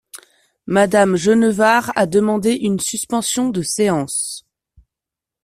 Madame Genevard a demandé une suspension de séance.